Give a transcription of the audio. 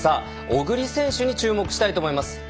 小栗選手に注目したいと思います。